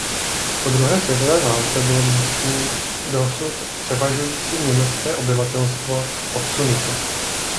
Po druhé světové válce bylo místní dosud převažující německé obyvatelstvo odsunuto.